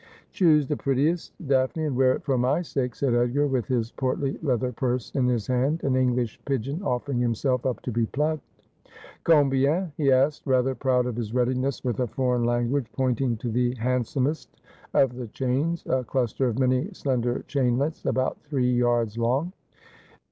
' Choose the prettiest. Daphne, and wear it for my sake,' said Edgar, with his portly leather purse in his hand, an English pigeon offering himself up to be plucked. ' Combien ?' he asked, rather proud of his readiness with a '/ may not don as every Ploughman may.' 301 foreign language, pointing to the handsomest of the chains, a cluster of many slender chainlets, about three yards long.